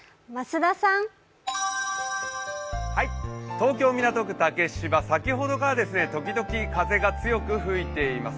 東京・港区竹芝、先ほどから時々風が強く吹いています。